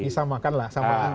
bisa makan lah